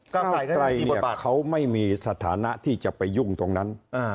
ก็คิดว่าเขาไม่มีสถานะที่จะไปยุ่งตรงนั้น